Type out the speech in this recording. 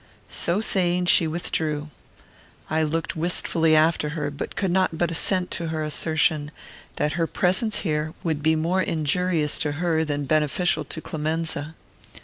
So saying, she withdrew. I looked wistfully after her, but could not but assent to her assertion, that her presence here would be more injurious to her than beneficial to Clemenza.